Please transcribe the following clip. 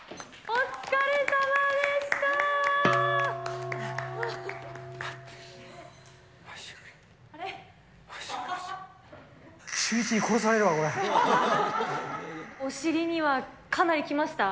お疲れさまでした。